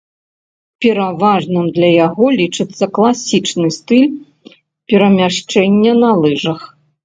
Пераважным для яго лічыцца класічны стыль перамяшчэння на лыжах.